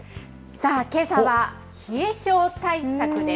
けさは、冷え性対策です。